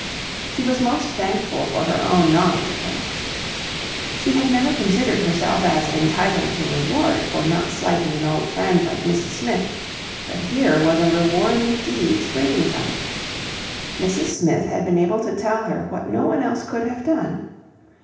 She was most thankful for her own knowledge of him. She had never considered herself as entitled to reward for not slighting an old friend like Mrs Smith, but here was a reward indeed springing from it! Mrs Smith had been able to tell her what no one else could have done.